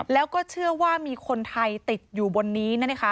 แล้วก็เชื่อว่ามีคนไทยติดอยู่บนนี้นะคะ